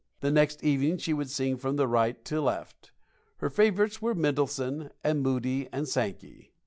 The next evening she would sing from right to left. Her favorites were Mendelssohn, and Moody and Sankey.